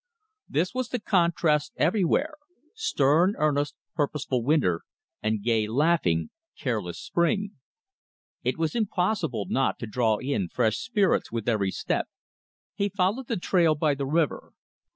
This was the contrast everywhere stern, earnest, purposeful winter, and gay, laughing, careless spring. It was impossible not to draw in fresh spirits with every step. He followed the trail by the river.